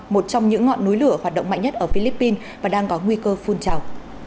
một trong những ngọn núi lửa hoạt động mạnh nhất ở philippines và đang có nguy cơ phun trào